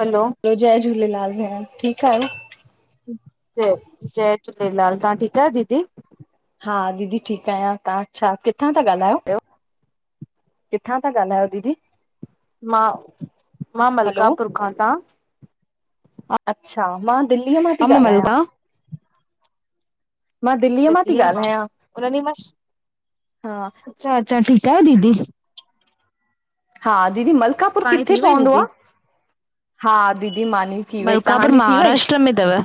हलो। ॿियो जय झूलेलाल भेण, ठीकु आहियो? जय- जय झूलेलाल, तव्हां ठीकु आहियो दीदी? हा दीदी ठीकु आहियां, तव्हां छा किथां था ॻाल्हायो? किथां था ॻाल्हायो दीदी? मां, मां हलो मलकापुर खां, अऊं तहां? अच्छा, मां दिल्लीअ मां हा, पी मलका ॻाल्हायां। मां दिल्लीअ मां दीदी थी अ ॻाल्हायां उॾ म हा अच्छा-अच्छा ठीकु आहे दीदी [unintelligible] हा दीदी, मलकापुर पाणी किथे थी वई पवंदो दीदी आहे? हा दीदी, मानी थी वई, मलकापुर तव्हांजी थी वई? महाराष्ट्र में अथव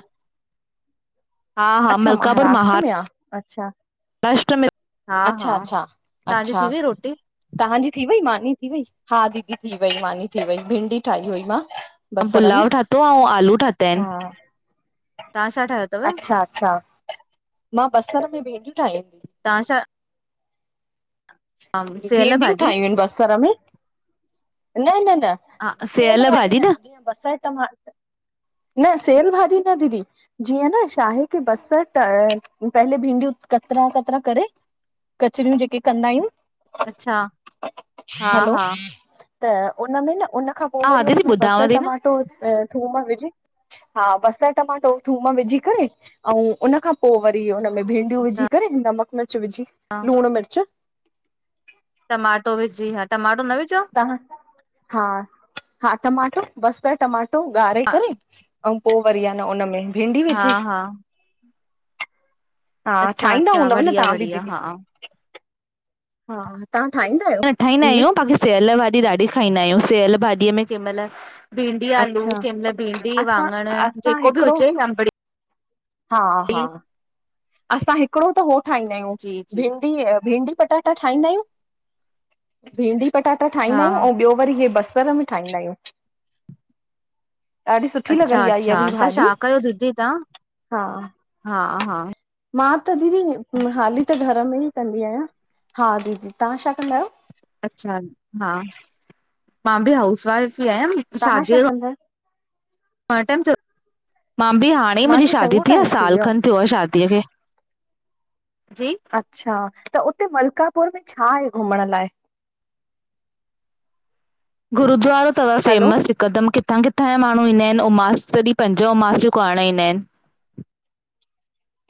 हा, हा अच्छा मलकापुर महाराष्ट्र महा में आ अच्छा राष्ट्र में हा अच्छा हा, अच्छा तव्हांजी थी अच्छा हुई रोटी? तव्हांजी थी वई मानी थी वई, हा दीदी थी वई मानी थी वई, भिंडी ठाही हुई मां। बसर में पुलाउ ठातो आहे अंऊं आलू ठाता आहिनि। हा तव्हां छा ठाहियो अथव? अच्छा अच्छा, मां बसर में भिडियूं ठाहियूं। तव्हां छा सेयल भिंडियूं भाॼी ठाहियूं आहिनि बसर में? न न न। सेेयल भाॼी न, जीअं बसर न सेल भाॼी न दीदी, जीअं न शा हे त बसर त, पहले भिंडियूं कतरा- कतरा करेे कचरियूं जेके कंदा आहियूं। अच्छा हा हलो, हा त हुन में न उन खां पो हा वरी हुन दीदी में ॿुधांव बसर थी न टमा त अ थूम विझी, हा बसर टमाटो थूम विझी करे, अउ उन खां पो वरी हुन में भिंडियूं अच्छा विझी करे नमक मिर्च विझी लुणु मिर्च टमाटो विझी, हा टमाटो न विझो। हा, हा टमाटो, बसर टमाटो ॻारे हा, करे अईं पो वरी आहे न उनमें भींडी हा विझ्। हा हा अच्छा ठाहींदा अच्छा हूंदव न, बढ़िया तव्हां बि बढ़िया दीदी। हा हा तव्हां ठाहींदा आहियो, हीअं। सियल भाॼी ॾाढी खाईंदा आहियूं, सियल भाॼीअ में कंहिं मइल भिडी आलू, अच्छा कंहिं मइल भींंडी असां वाङणु, असां जेको बि हिकिड़ो हुजें अंबड़ी हा, हा असां हिकिड़ो त, हू ठाहींदा आहियूं, जी जी भींडी ऐं भींडी पटा त ठाहींदा आहियूं, भींडी पटाटा हा ठाहींदा आहियूं ऐं ॿियो पर हे बसर में ठाहींदा आहियूं। ॾाढी सुठी अच्छा लॻंदी आहे इय अच्छा बि तव्हां भाॼी, छा कयो दीदी तव्हां हा हा, हा। मां त दीदी हाली त घर में ई कंदी आहियां, हा दीदी, तव्हां छा कंदा आहियो? अच्छा हा, मां बि हाउस वाइफ ई आयां म तव्हां छा शादीअ कंदा आहियो? मां टम चो, मां बि हाणे ई मुंहिंजी मांजो शादी चङो थी आहे टाइम साल वियो आ। खनि थियो आहे शादीअ खे। जी? अच्छा, त उते मलकापुर में छा आहे, घुमण लाइ? गुरुद्वारो थव, हलो फ़ेमस। कदम्, किथां- किथां जा माण्हू ईंदा आहिनि। ऐं उमास ॾींहुं पंज उमास जूं करण ईंदा आहिनि।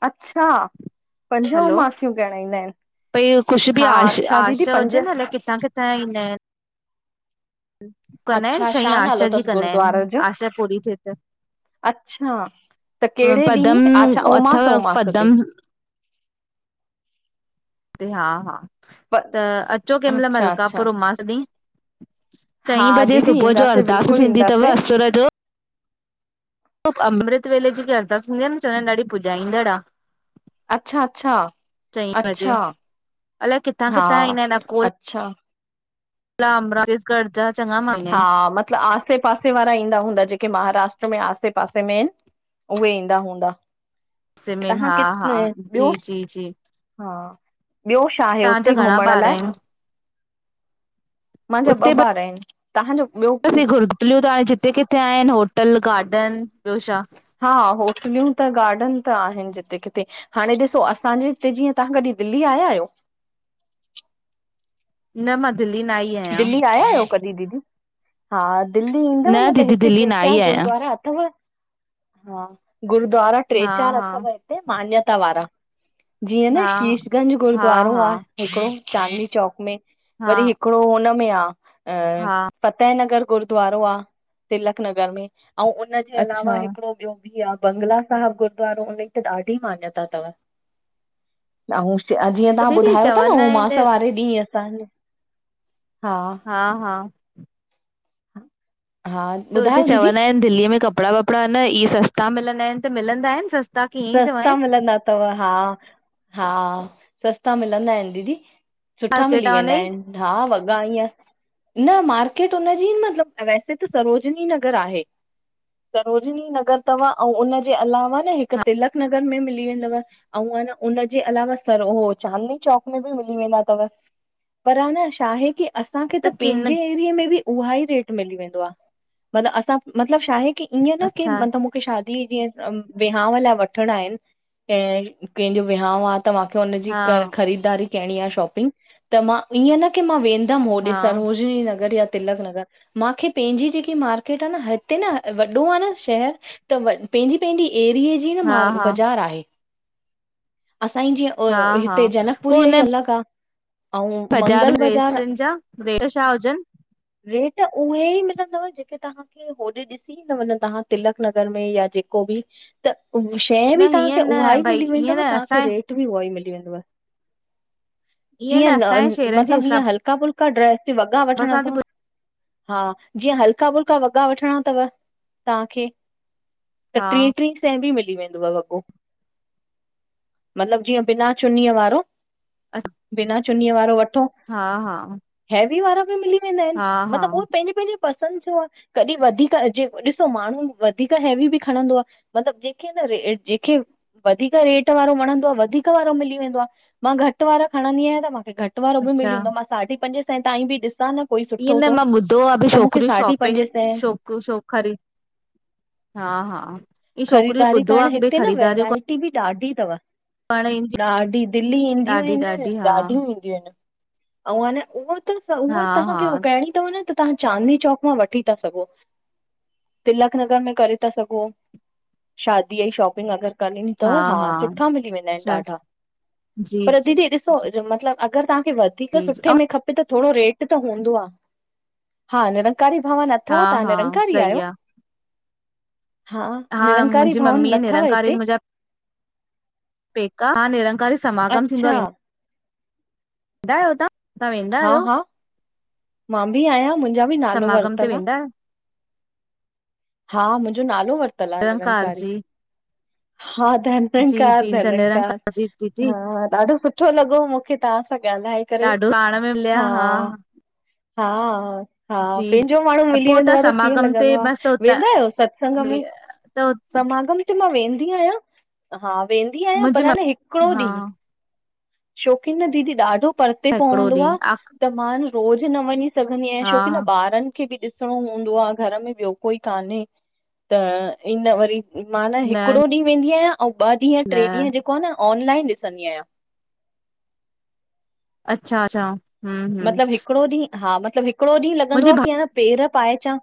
अच्छा। पंज हलो उमासियूं ॻणाईंदा आहिनि भई कुझु बि हा आश अच्छा दीदी आशा पंज हुजे न अलाए किथां -किथां ता ईंदा आहिन। कंदा आहिन अच्छा शहं छा नालो आशा जी अथसि कंदा आहिन गुरुद्वारे जो? आशा पूरी थिए त। अच्छा त अ कहिड़े पदम ॾींहुं अच्छा अथव उमास उमास पदम। ते हा- हा प त अचो कंहिं महिल अच्छा अच्छा मलकापुर उमास ॾीं। हा चईं बजे दीदी सुबुह जो ईंदासीं अरदास बिल्कुलु थींदी अथव ईंदासीं असुर जो अमृत वेले जी जेकी अरदास हुंदी आ न चवंदा आहिन ॾाढी पुॼाईंदड़ु आ। अच्छा- अच्छा चईं बजे -अच्छा अलाए किथां हा। किथां अच्छा [inaudible] कर्जा चञा। हा, मतिलब आसे पासे वारा ईंदा हूंदा जेके, महाराष्ट्र में आसे पासे में आहिन। उहे ईंदा हूंदा तां सिमेन हां हा किथ हा जी ॿियो? जी जी हा, ॿियो? छा आहे, तव्हांजा हुते घणा घुमण ॿार लाइ? आहिनि मुंहिंजा ॿ उते ॿार आहिन। तव्हांजो ॿियो? होटलियूं त हाणे जिते किथे आहिनि होटल गार्डन ॿियो छा। हा, होटलियूं त गार्डन त आहिनि जिते किथे। हाणे ॾिसो असांजे हिते, जीअं तां हां कॾहिं दिल्ली आया आहियो? न मां दिल्ली न आई आ। दिल्ली आया आहियो कदीहिं दीदी? हा। दिल्ली ईंदव न, त दीदी हिते दिल्ली न टे, चार आई आहियां। गुरुद्वारा अथव। हा। गुरुूद्वारा टे, हा चार, हा अथव हिते मान्यता वारा। जीअं न, हा शीशगंज हा गुरुद्वारो हा आहे। हिकिड़ो चांदनी चौक, में हा वरी हिकिड़ो हुनम में आ। हा। फफ़तेह नगर गुरुूद्वारो आ, तिलक नगर में ऐं, उनजे अलावा अच्छा हिकड़ो ॿियो। बंगला साहिब गुरुद्वारो, उ हुनजी त ॾाढी मान्यता अथव। अऊं, जीअं त तांहां दीदी ॿुधायो था न चवंदा उमास, आहिनि वारे ॾींह असांजे। हा, हा। हा त हुते ॿुधायो दीदी चवंदा आहिन दिल्लीअ में कपिड़ा वपड़ा, न इहे सस्ता मिलंदा आहिन त मिलंदा आहिन सस्ता। कीअं ई चवां सस्ता आहिनि मिलंदा अथव हा, हा सस्ता मिलंदा आहिन दीदी। सुठा मार्केट आ मिली वेंदा हुनजी आहिन, हा वॻा ईअं। न मार्केट हुनजी मतलब, वैसे त सरोजनी नगर आहे। सरोजिनी नगर अथव ऐं उनजे, अलावा न हिक हा तिलक नगर में मिली वेंदव। ऐं अन उनजे अलावा सर हो चांदनी चौक, में बि मिली वेंदा अथव। पर अ, न छाहे की। असांखे त पंहिंजे एरिये में बि उहा ई रेट मिली वेंदो आ, मतिलब असां मतिलब छा आहे की। ईअं न की अच्छा मतलब मूंखे शादी जीअं वि। विहांव लये वठणा आहिन कंहिंजो, विहांव आ त माखे हुनजी हा ख़रीदारी। करणी आ शॉपिंग त मां ईअं, न की मां वेंदम होॾे, हा सरोजनी नगर या तिलक नगर। मांखे पंहिंजी जेकी मार्केट आ, न हिते न वॾो आ न शहर। त पंहिंजी- पंहिंजी एरिए जी न, हा मार हा बाज़ार आहे असां हा जीअं। हा हिते पोइ जनकपुरी जी हुन अलॻ आ। ऐं बाज़ार में मंगल बाज़ार डिरेसनि जा रेट् छा हुजनि? रेट उहे ई मिलंदव जेके तांहां। होॾे ॾिसी ई, [inaudible] तव्हां तिलक नगर में या जेको बि। त शइ बि न हीअं तव्हांखे न उहा ई, भई मिली ईअं न वेंदव, तव्हांखे असांजे रेट। भी उहो ही मिली वेंदुव ईअं जीअं न असांजे शहरनि जे मतिलब हीअ हिसाब हलक। हलका, फुल्का ड्रेस वॻा वठिणा सां थी अथव। हा जीअं हल्का, फुल्का वॻा वठणा अथव तव्हांखे। त हा टीं, टीं, सै बि मिली वेंदुव वॻो। मतलब जीअं, बिना चुनीअ वारो, बिना चुनीअ वारो वठो। हा, हा। हैवी वारा बि मिली वेंदा आहिन हा हा मतिलबु उह पंहिंजे, पंहिंजे। पसंदि थियो आहे, कॾहिं वधीक जे ॾिसो माण्हू वधीक हैवी बि खणंदो आहे। मतिलब जेके, न र जेके वधीक रेट वारो वणंदो आहे, वधीक वारो मिली वेंदो आहे, मां घटि वारो खणंदी आहियां त मूंखे घटि पट वारो बि अच्छा मिलीेंदो मां साँढी पंजे सैें ताईं बि ॾिसां न? कोई ईअं सुठो न सो मां ॿुधो आहे, बि त मूंखे छोकिरियूं साढी शॉपिंग पंजे सै शो छोकरी, हा हा ई छोकिरियूं ॿुधो आहे कि भई ख़रीदारीयूं इते बि ॾाढी थव ॾाढी, दिल्ली ईंदियूं ॾाढी आहिन, हा ॾाढी ई। [inaudible] अ न, उह त उह हा हा तव्हांखे उॻायणी त तव्हां चांदनी चौक मां वठी था सघो, तिलक नगर में करे था सघो। शादीअ जी शॉपिंग अगर [inaudible] हा सुठा मिली वेंदा आहिन अच्छा ॾाढा, जी पर जी दीदी ॾिसो जी मतलब, अगरि तव्हांखे वधीक जी सुठे में खपे त थोड़ो रेट त हूंदो आ, हा निरंकारी भवन हा अथव, तव्हां हा निरंकारी सही आहियो? आहे हा निरंकारी मुंहिंजी मम्मी भवन अथव निरंकारीनि, हिते? मुंहिंजा पेका हा निरंकारी समागम थींदो आ अच्छा वेंदा आहियो तव्हां, तव्हां वेंदा हा आहियो हा मां बि आहियां मुंहिंजा बि नालो समागम ते वरितल आ, वेंदा आहियो? हा, मुंहिंजो नालो वरतल आ निरंकार निरंकारी। जी, हा जी धनधनकार जी त धनंकार, निरंकार जी दीदी हा ॾाढो सुठो लॻो मूंखे तव्हां सां ॻाल्हाए करे, ॾाढो पाण में मिलिया हा। हा हा, जी पंहिंजो माण्हू मिली पो वेंदो आ त कीअं समागम ते लॻंदो आ। मस्त हुतां वेंदा आहियो सत्संग में, त समागम ते मां वेंदी आहियां, हा वेंदी आहियां मुंहिंजी पर म न हिकिड़ो हा ॾींहुं। छोकी न दीदी ॾाढो परते हिकिड़ो पवंदो आ, ॾींहुं त मां न रोज़ न वञी सघंदी आहियां, आ छोकी न हा ॿारनि खे बि ॾिसणो हूंदो आ, घर में ॿियो कोई कान्हे, त इन वरी मां न हिकिड़ो ॾींहुं वेंदी आहियां। अंउ ॿ ॾींहं, टे न ॾींहं जेको आ न, ऑनलाइन ॾिसंदी आहिया अच्छा अच्छा हम्म मतिलब हिकड़ो ॾीहुं, हा मतिलब हिकड़ो ॾींहुं मुंहिंजी लॻंदोआ भा कि न पेर पाए अचां,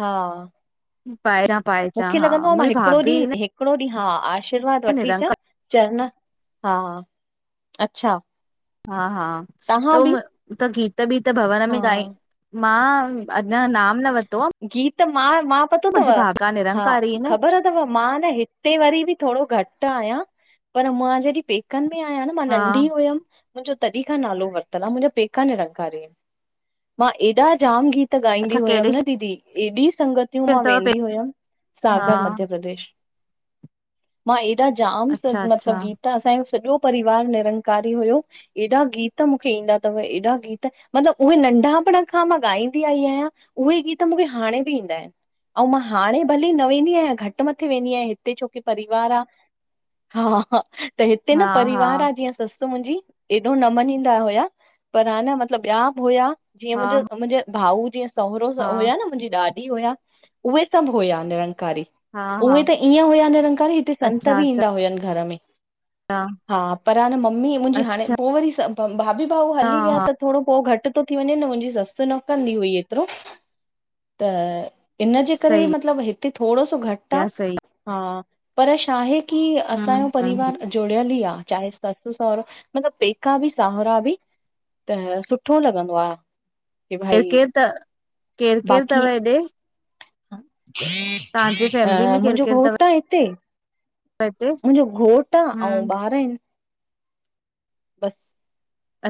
हा। पाइरा पाए। मूंखे लॻंदो आ, मां हिकिड़ो ॾींहुं हिकिड़ो ॾींहुं, हा आशीर्वाद वठी अचां, निरंकार चरन हा, अच्छा। हा हा, त तव्हां बि उ त गीत- बीत भवन हा में गाई मां अञा नाम न वरतो आ। गीत मां मां, पतो थव, मुंहिंजी भाभी हा निरंकारी न ख़बर मां न हिते वरी ॿि थोड़ो घटि आहियां, पर मां जॾहिं पेकनि में आहियां न मां हा नंढी हुयमि मुंहिंजो तॾी खां नालो वरितल आ, मुंहिंजा पेका निरंकारी इन, मां एॾा जाम गीत त अच्छा ॻांईंदी हुयमि कहिड़े न दीदी, एॾी संगत शहर मां अथव पे वेंदी हुयमि, हा सागर मध्य प्रदेश। मां एॾा जाम स अच्छा मतिलब, अच्छा गीत, असांजो सॼो परिवार निरंकारी हुयो। एॾा गीत मुखे ईंदा तव, एॾा गीत, मतिलब उहे नंढापण खां मां ॻाईंदी आई आहियां। उहे गीत मुखे हाणे ॿि ईंदा आहिनि। अऊं मां हाणे भली न वेंदी आहियां, घटि मथे वेंदी आहियां हिते छोकी परिवार आ। हा हा, त हिते न हा हा परिवार आ, जीअं ससु मुंहिंजी। एॾो न मञींदा हुया, पर हा न मतिलब ॿिया बि हुया, जीअं हा मुंहिंजो मुंहिंजे भाऊ जीअं सहुरो हा हुया न, मुंहिंजी ॾाॾी हुया, उहे सभु हुया निरंकारी। हा हा उहे त ईअं हुया निरंकारी, हिते संत अच्छा बी अच्छा ईंदा हुयनि घर में। हा, पर हा न मम्मी मुंहिंजी हाणे, अच्छा पोइ वरी भाभी भाऊ हली विया हा त थोड़ो पोइ घटि तो थी वञे न, मुंहिंजी ससु न कंदी हुई एतिरो। त इनजे करे मतिलब हिते थोड़ो सो घटि आ क्या सही। हा, पर छाहे की, हम्म असांजो हम्म परिवार हम्म जुड़ियल ई आ, चाहे सस सहुरो, मतिलब पेका बी साहुरा भी। त सुठो लॻंदो आ। की भई केरु केरु त, केरु केरु तव बाक़ी हेॾे। तांजे अ फैमिली में केरु मुंहिंजो केरु तव? घोटु आ हिते मुंहिंजो घोटु आ, अऊं हम्म ॿार इन। बसि।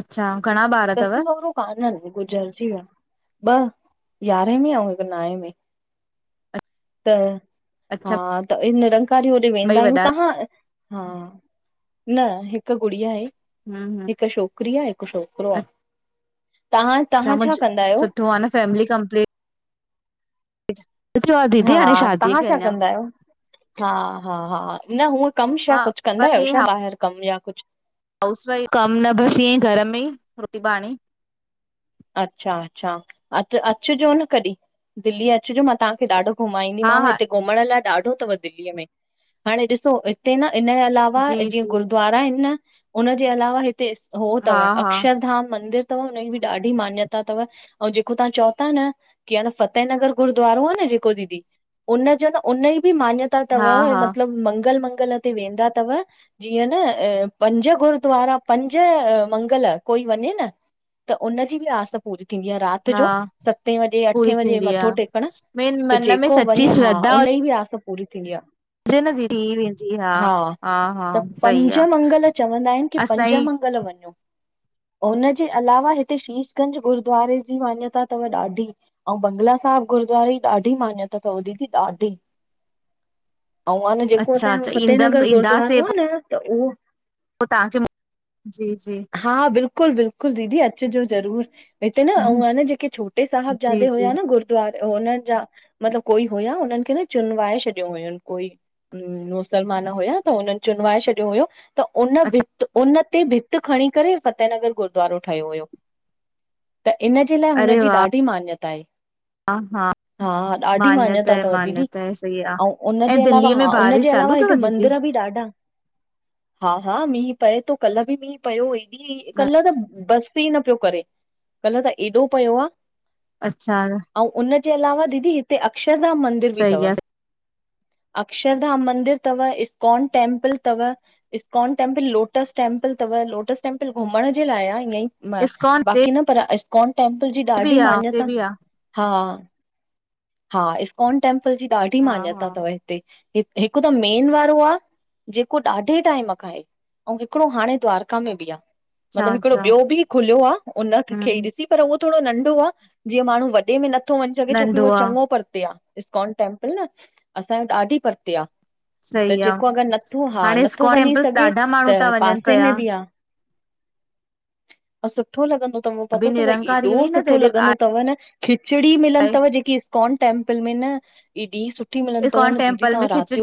अच्छा, घणा ॿार तव? काननि, गुज़रजी विया, ॿ यारहें में अऊं हिक नाएं में। त अच्छा। हा, त निरंकारी होॾे ॿई वेंदा वॾा आहियूं, हम्म तहां? हा, न हिक गुड़ीया आहे, हम्म हिक छोकिरी आ हिकु छोकरो। तहां अच्छा तहां छा मुंहिंज कंदा आहियो? सुठो आहे न फैमिली कंप्लीट। थियो आहे दीदी हा हाणे शादीअ तहां खे छा अञा कंदा आहियो? हा हा हा हा, न हूअं कम छा हा कुछु कंदा आहियो छा ॿाहिरि कमु या कुछु? कमु न बस इअईं घर में ई रोटी पाणी। अच्छा अच्छा, अ अचिजो न कॾी, दिल्ली अचिजो मां तांखे ॾाढो हा घुमाईंदीमांव, हा हिते घुमण लाइ ॾाढो तव दिल्लीअ में, हाणे ॾिसो हिते न इनयाल अलावा जी, जीअं जी, गुरूद्वारा इन न, हुनजे अलावा हिते हो हा, तव हा, अक्षरधाम मंदिर अथव, हुनजी बि ॾाढी मान्यता तव, अऊं जेको तां चओ ता न कि आ न फतेह नगर गुरूद्वारो आ न जेको दीदी, उनजो न उनजी बी मान्यता मान्यता हा, तव हा, मतिलबु, मंगल मंगल ते वेंदा तव जीअं न, अ पंज गुरद्वारा, पंज मंगल कोई वञे न त उनजी बी आस पूरी थींदी आ। राति जो हा, सतें बजे अठें पूरी बजे थींदी आ। मथो टेकण, मेन त मन में जेको सची वञे हा, श्रद्धा उनजी बी आस पूरी थींदी आ। हुजे न दीदी थी वेंदी हा, हा, त सही पंज आ मंगल चवंदा आहिनि। की पंज असांजी मंगल वञो। [inaudible] हुनजे अलावा हिते शीशगंज गुरुद्वारे जी मान्यता थव ॾाढी। आऊं बंगला साहिब गुरुद्वारे जी ॾाढी मान्यता तव दीदी ॾाढी। [inaudible] आऊं आ ने जेको अच्छा, असांजो अच्छा फतेह ईंदम नगर ईंदासीं गुरुूद्वारो आ न त हो पो तव्हांखे, जी जी हा, बिल्कुलु बिल्कुलु दीदी अचिजो ज़रूर। हिते न एउ जेके छोटे साहिब जी, जादे जी, हुआ न गु द्वारे हुननि जा मतलबु कोई हुया हुननि खे न चुनवााए छॾियूं हुयून कोई। हूं, मुसलमान हुया त हुननि चुनवााए छॾियो हुयो। त उन भित उन ते भिति खणी करे फ़तेहनगर गुरुद्वारो ठहियो हुयो। त इनजे लाइ हुनजी ॾाढी मान्यता आहे। हा हा, हा ॾाढी मान्यत मान्यता है, तव दीदी, मान्यत है, सही आ। अऊं ऐं हुनजे अलावा दिल्लीअ में हा उनजे बारिश अलावा चालू हिते थव दीदी? मंदर बि ॾाढा हा हा, मींहु पए थो कल्ह बि मींहु पियो एॾी कल्ह त बस स ई न पियो करे, कल्ह त एॾो पियो आ। अच्छा। अऊं उनजे अलावा दीदी हिते अक्षरधाम मंदिर बि तव। [inaudible] अक्षरधाम मंदिर तव, इस्कॉन टेम्पल तव। इस्कॉन टेम्पल, लोटस टेम्पल तव लोटस टेम्पल घुमण जे लाइ आ ईअं ई। म इस्कॉन ते बाक़ी न पर इस्कॉन टेम्पल जी बि ॾाढी आ, हुते मान्यता बि आ। हा, हा इस्कॉन टेम्पल जी ॾाढी हा, मान्यता हा, तव हिते। हिकु त मेन वारो आ जेको ॾाढे टाइम खां आहे। अऊं हिकिड़ो हाणे द्वारका में बि आ मतलब अच्छा, हिकड़ो अच्छा, ॿियो बि खुलियो आ उन खे हम्म डि सी पर उहो थोरो नंढो आ, जीअं माण्हू वॾे में नथो वञी सघे छोकी नंढो उहो आ, चङो परते आ। इस्कॉन टेम्पल न असांजो ॾाढी परते आ। त सही आ। जेको अगरि नथो हा हाणे नथो इस्कॉन वञी टेम्पल्स सघे ॾाढा माण्हू त था वञनि पासे पिया, में बि आ। अ सुठो लॻंदो अथव अभी पतो तव निरंकारी एॾो हुई न सुठो तेॾे लॻंदो तव न। खिचड़ी मिलन आहे तव न जेकी इस्कॉन टेम्पल में न एॾी सुठी मिलंद तव इस्कॉन न दीदी टेम्पल में तव्हां खिचड़ी रात जो